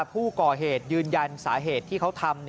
ผู้ก่อเหตุยืนยันสาเหตุที่เขาทำ